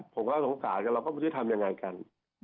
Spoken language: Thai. ผมก็สงสารป่ะเราก็ไม่ที่ทำยังไงกัน